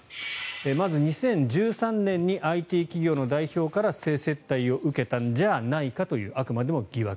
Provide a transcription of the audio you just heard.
まず、２０１３年にＩＴ企業の代表から性接待を受けたんじゃないかというあくまでも疑惑。